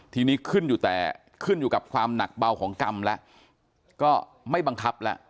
ทีนี้ขึ้นอยู่แต่ขึ้นอยู่กับความหนักเบาของกรรมแล้วก็ไม่บังคับแล้ว